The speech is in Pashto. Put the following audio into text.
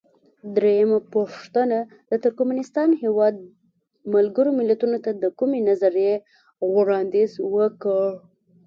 درېمه پوښتنه: د ترکمنستان هیواد ملګرو ملتونو ته د کومې نظریې وړاندیز وکړ؟